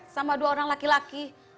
sama dua orang laki laki